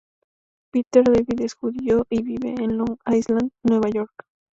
Peter David es judío, y vive en Long Island, Nueva York.